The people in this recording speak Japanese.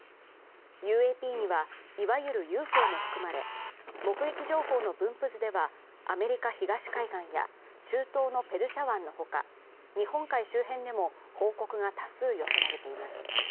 ＵＡＰには、いわゆるＵＦＯも含まれ、目撃情報の分布図ではアメリカ東海岸や中東のペルシャ湾のほか、日本海周辺でも報告が多数寄せられています。